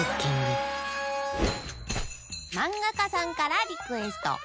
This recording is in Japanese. まんがかさんからリクエスト。